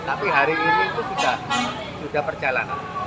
tapi hari ini itu sudah perjalanan